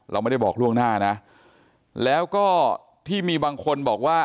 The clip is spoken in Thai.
เราไม่ได้บอกล่วงหน้านะแล้วก็ที่มีบางคนบอกว่า